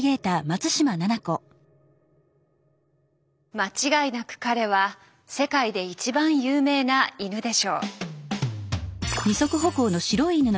間違いなく彼は世界で一番有名な犬でしょう。